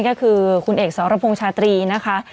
ก็คือคุณเอกสรพงษ์ชาตรีนะคะ